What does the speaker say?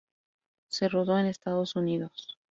Se rodó en Estados Unidos.